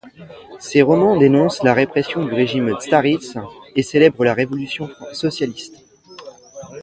Ses romans dénoncent la répression du régime tsariste et célèbrent la révolution socialiste.